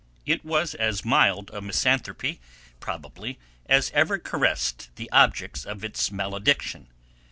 It was as mild a misanthropy, probably, as ever caressed the objects of its malediction.